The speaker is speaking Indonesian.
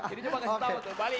jadi coba kasih tau tuh balikin